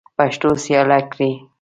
پښتو سیاله کړئ.